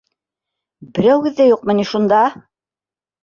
Берәүегеҙ ҙә юҡмы ни шунда?